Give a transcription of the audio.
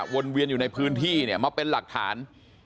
วนเวียนอยู่ในพื้นที่เนี่ยมาเป็นหลักฐาน